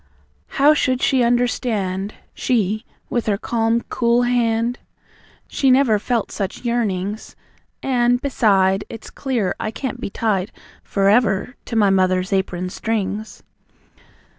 How should she understand, She, with her calm cool hand? She never felt such yearnings? And, beside, It's clear I can't be tied For ever to my mother's apron strings."